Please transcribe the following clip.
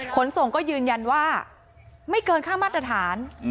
ขนส่งก็ยืนยันว่าไม่เกินค่ามาตรฐาน